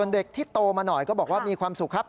เด็กที่โตมาหน่อยก็บอกว่ามีความสุขครับ